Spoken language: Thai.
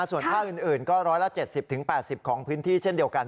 ส่วนภาคอื่นก็๑๗๐๘๐ของพื้นที่เช่นเดียวกัน